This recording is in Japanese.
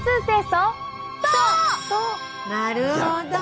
なるほど。